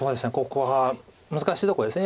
ここは難しいとこです。